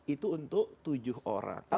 itu untuk tujuh orang